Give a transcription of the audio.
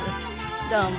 どうも。